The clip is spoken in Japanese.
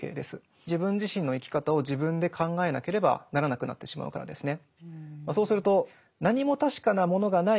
自分自身の生き方を自分で考えなければならなくなってしまうからですね。